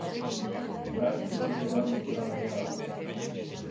Orain etxepekoen bozeramailea da.